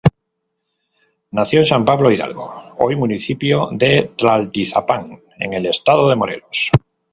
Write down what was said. Nació en San Pablo Hidalgo, hoy municipio de Tlaltizapán en el estado de Morelos.